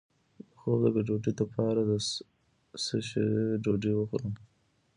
د خوب د ګډوډۍ لپاره د څه شي ډوډۍ وخورم؟